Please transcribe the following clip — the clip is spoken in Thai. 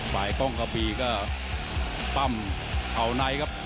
ฝ่ายกล้องกระปีก็ปั้มเข่าในครับ